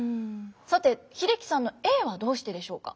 さて英樹さんのＡはどうしてでしょうか？